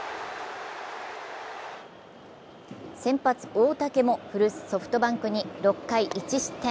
先発・大竹も古巣ソフトバンクに６回１失点。